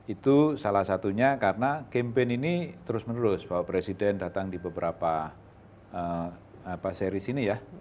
itu salah satunya karena campaign ini terus menerus bahwa presiden datang di beberapa seri sini ya